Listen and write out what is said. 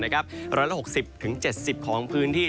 ร้อยละ๖๐๗๐ของพื้นที่